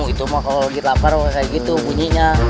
itu mah kalau di lapar kayak gitu bunyinya